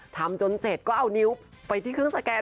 ทำจนเสร็จก็เอานิ้วไปที่เครื่องสแกน